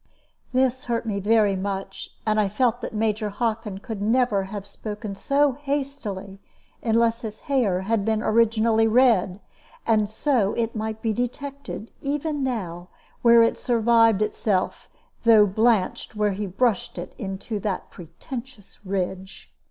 This hurt me very much, and I felt that Major Hockin could never have spoken so hastily unless his hair had been originally red; and so it might be detected, even now, where it survived itself, though blanched where he brushed it into that pretentious ridge.